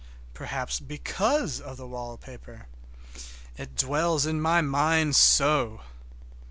Perhaps because of the wallpaper. It dwells in my mind so!